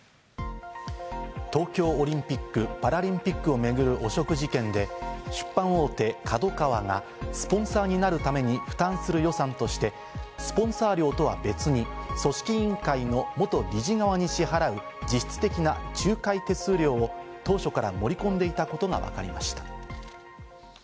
東京オリンピック・パラリンピックを巡る汚職事件で、出版大手ＫＡＤＯＫＡＷＡがスポンサーになるために負担する予算としてスポンサー料とは別に組織委員会の元事理側に支払う実質的な仲介手数料を当初から盛り込んでいたことがわかりました。